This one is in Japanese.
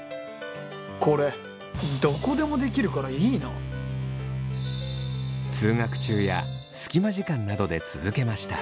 これどこでもできるからいいな通学中や隙間時間などで続けました。